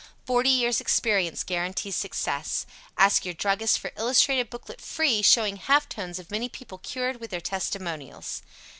Forty years' experience guarantees success. Ask your Druggist for illustrated Booklet FREE, showing half tones of many people cured, with their testimonials.